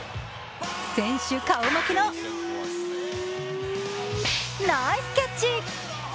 選手顔負けのナイスキャッチ。